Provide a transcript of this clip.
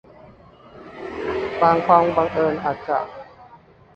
บางความบังเอิญอาจจะ